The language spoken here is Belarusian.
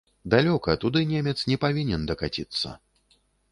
Далёка, туды немец не павінен дакаціцца.